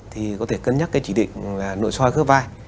thì có thể cân nhắc cái chỉ định là nội soi khớp vai